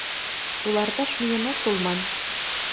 Туларташ миенак толман.